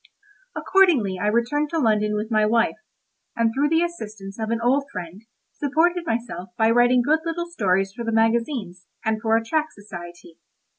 Accordingly I returned to London with my wife, and through the assistance of an old friend supported myself by writing good little stories for the magazines, and for a tract society.